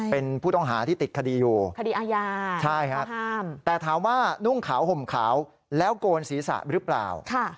เป็นผู้ต้องหาที่ติดคดีอยู่คดีอาญาใช่ครับแต่ถามว่านุ่งขาวห่มขาวแล้วโกนศีรษะหรือเปล่า